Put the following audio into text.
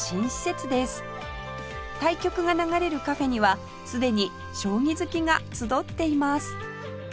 対局が流れるカフェにはすでに将棋好きが集っています